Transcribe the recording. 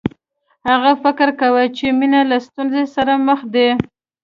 هغه فکر کاوه چې مینه له ستونزو سره مخ ده